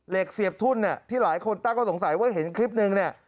เหล็กเสียบทุ่นที่หลายคนตั้งก็สงสัยว่าเห็นคลิปหนึ่ง